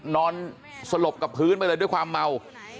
นอนสลบกับพื้นไปเลยด้วยความเมา